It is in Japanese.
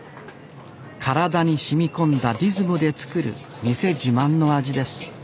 体にしみこんだリズムで作る店自慢の味です